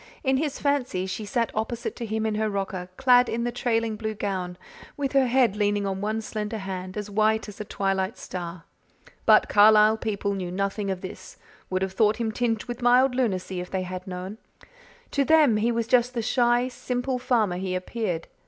In his fancy she sat opposite to him in her rocker, clad in the trailing blue gown, with her head leaning on one slender hand, as white as a twilight star. But Carlisle people knew nothing of this would have thought him tinged with mild lunacy if they had known. To them, he was just the shy, simple farmer he appeared.